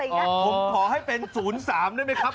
ผมขอให้เป็น๐๓ได้ไหมครับ